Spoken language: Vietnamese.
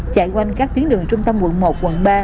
chạy quanh các tuyến đường trung tâm quận một quận ba